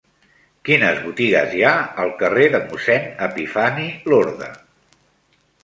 Quines botigues hi ha al carrer de Mossèn Epifani Lorda?